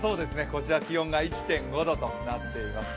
こちら気温が１．５度となっています。